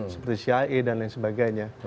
seperti syaie dan lain sebagainya